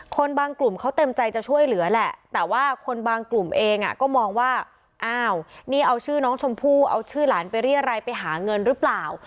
บางกลุ่มเขาเต็มใจจะช่วยเหลือแหละแต่ว่าคนบางกลุ่มเองก็มองว่าอ้าวนี่เอาชื่อน้องชมพู่เอาชื่อหลานไปเรียรัยไปหาเงินหรือเปล่า